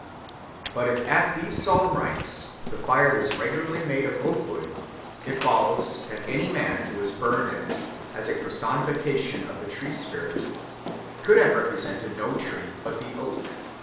But if at these solemn rites the fire was regularly made of oakwood, it follows that any man who was burned in it as a personification of the tree spirit could have represented no tree but the oak.